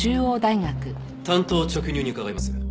単刀直入に伺います。